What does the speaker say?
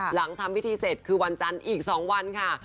หลังทำพิธีเสร็จคือวันจันทร์อีก๒วันค่ะ